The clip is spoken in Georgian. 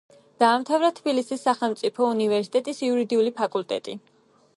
დაამთავრა თბილისის სახელმწიფო უნივერსიტეტის იურიდიული ფაკულტეტი.